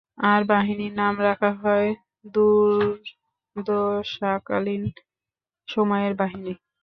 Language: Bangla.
আর বাহিনীর নাম রাখা হয় দূর্দশাকালীন সময়ের বাহিনী।